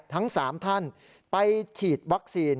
ทั้ง๓ท่านไปฉีดวัคซีน